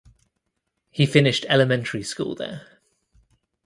He finished elementary school there.